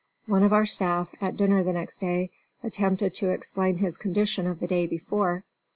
One of our staff, at dinner the next day, attempted to explain his condition of the day before.